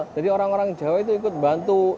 jadi orang orang jawa itu ikut bantu